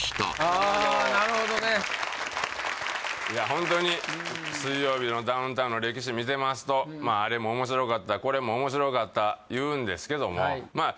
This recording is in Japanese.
ホントに「水曜日のダウンタウン」の歴史見てますとまああれも面白かったこれも面白かった言うんですけどもはいまあ